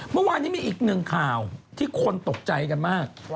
เมื่อวานนี้มีอีกหนึ่งข่าวที่คนตกใจกันมาก